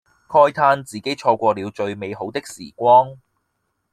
慨嘆自己錯過了最美好的時光